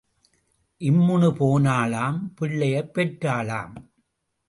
இம்முனு போனாளாம் பிள்ளையைப் பெற்றாளாம்.